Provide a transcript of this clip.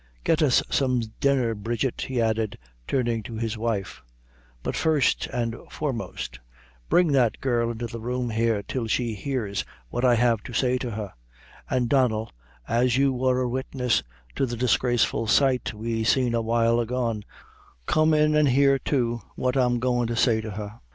Get us some dinner, Bridget," he added, turning to his wife; "but, first and foremost, bring that girl into the room here till she hears what I have to say to her; and, Donnel, as you wor a witness to the disgraceful sight we seen a while agone, come in an' hear, too, what I'm goin' to say to her.